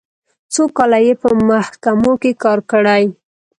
څو کاله یې په محکمو کې کار کړی.